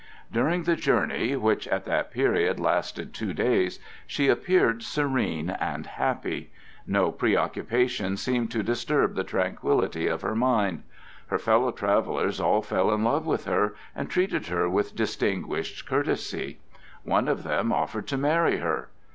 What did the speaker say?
During the journey, which at that period lasted two days, she appeared serene and happy; no preoccupation seemed to disturb the tranquillity of her mind. Her fellow travellers all fell in love with her and treated her with distinguished courtesy. One of them offered to marry her.